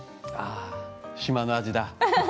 島の味だ。